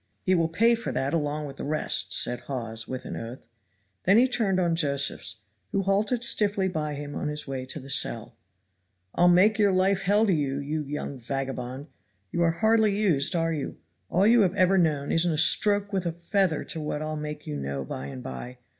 "He will pay for that along with the rest," said Hawes with an oath. Then he turned on Josephs, who halted stiffly by him on his way to his cell. "I'll make your life hell to you, you young vagabond you are hardly used, are you? all you have ever known isn't a stroke with a feather to what I'll make you know by and by.